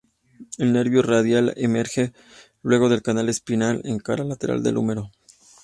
El nervio radial emerge luego del canal espiral en la cara lateral del húmero.